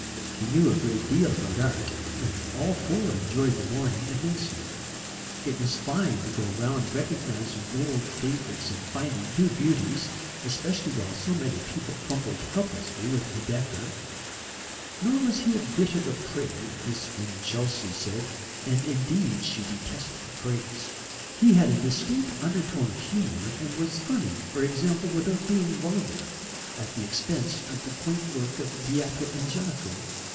He knew a great deal about art, and all four enjoyed the morning immensely. It was fine to go round recognising old favourites and finding new beauties, especially while so many people fumbled helplessly with Baedeker. Nor was he a bit of a prig, Miss Winchelsea said, and indeed she detested prigs. He had a distinct undertone of humour, and was funny, for example, without being vulgar, at the expense of the quaint work of Beato Angelico.